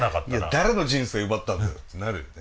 誰の人生奪ったんだよってなるよね。